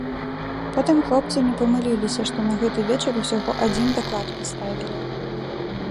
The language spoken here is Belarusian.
Потым хлопцы не памыліліся, што на гэты вечар усяго адзін даклад паставілі.